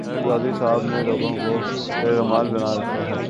طاہر القادری صاحب نے لوگوں کو یرغمال بنا رکھا ہے۔